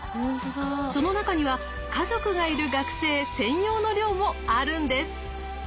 その中には家族がいる学生専用の寮もあるんです。